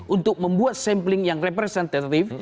untuk membuat sampling yang representatif